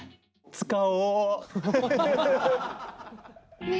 使おう！